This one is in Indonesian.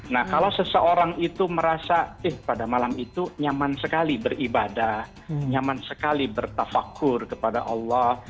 nah kalau seseorang itu merasa eh pada malam itu nyaman sekali beribadah nyaman sekali bertafakur kepada allah